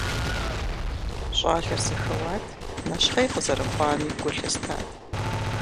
Щӏалэр зэхэуат, нэщхъей къызэрыхъуами гу лъыстат.